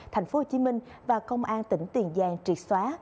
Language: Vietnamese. thành phố hồ chí minh và công an tỉnh tiền giang triệt xóa